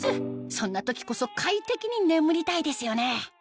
そんな時こそ快適に眠りたいですよね